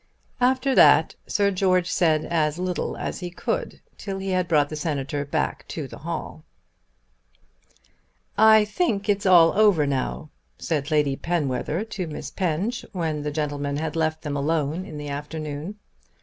After that Sir George said as little as he could, till he had brought the Senator back to the hall. "I think it's all over now," said Lady Penwether to Miss Penge, when the gentlemen had left them alone in the afternoon.